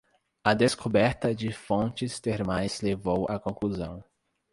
A descoberta de fontes termais levou à conclusão